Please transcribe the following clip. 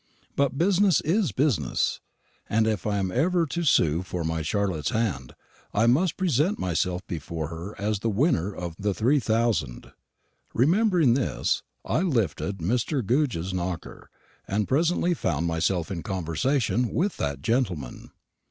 But business is business; and if I am ever to sue for my Charlotte's hand, I must present myself before her as the winner of the three thousand. Remembering this, I lifted Mr. Goodge's knocker, and presently found myself in conversation with that gentleman.